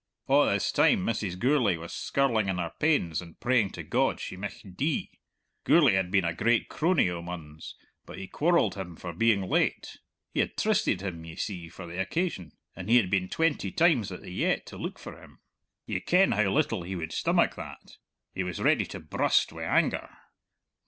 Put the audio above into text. A' this time Mrs. Gourlay was skirling in her pains and praying to God she micht dee. Gourlay had been a great crony o' Munn's, but he quarrelled him for being late; he had trysted him, ye see, for the occasion, and he had been twenty times at the yett to look for him. Ye ken how little he would stomach that; he was ready to brust wi' anger.